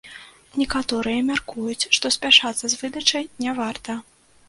Некаторыя мяркуюць, што спяшацца з выдачай не варта.